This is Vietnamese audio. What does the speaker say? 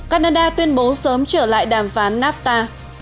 canada tuyên bố sớm trở lại đàm phán nafta